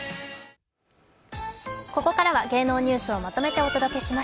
ここからは芸能ニュースをまとめてお届けします。